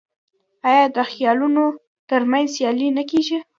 آیا د خیلونو ترمنځ سیالي نه کیږي؟